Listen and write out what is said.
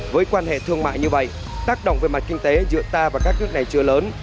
với quan hệ thương mại như vậy tác động về mặt kinh tế giữa ta và các nước này chưa lớn